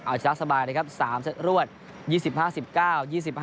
เอาชนะสบายนะครับสามเซ็ตรวชยี่สิบห้าสิบเก้า